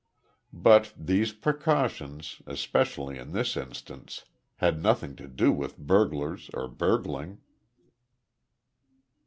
But these precautions especially in this instance had nothing to do with burglars or burgling.